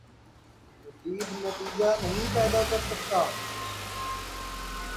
مفید نتیجہ نہیں پیدا کر سکتا